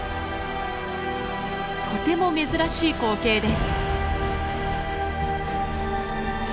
とても珍しい光景です。